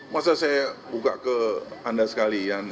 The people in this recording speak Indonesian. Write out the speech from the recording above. masa saya buka ke anda sekalian